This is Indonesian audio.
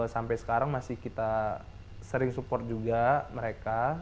sampai sekarang masih kita sering support juga mereka